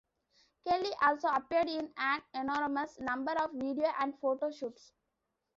Kelly also appeared in an enormous number of video and photo shoots.